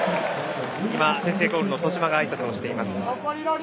今、先制ゴールの戸嶋があいさつをしています。